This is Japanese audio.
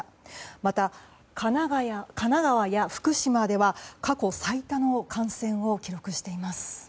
また神奈川や福島では過去最多の感染を記録しています。